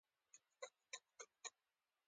د شغنان خلک پوهه خوښوي